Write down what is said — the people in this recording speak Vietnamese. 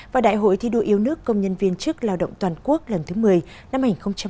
và đại hội thi đua yêu nước công nhân viên chức lao động toàn quốc lần thứ một mươi năm hai nghìn hai mươi hai nghìn hai mươi năm